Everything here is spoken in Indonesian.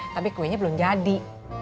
tapi kuenya belum jadi